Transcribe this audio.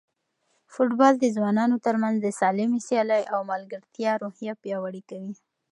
فوټبال د ځوانانو ترمنځ د سالمې سیالۍ او ملګرتیا روحیه پیاوړې کوي.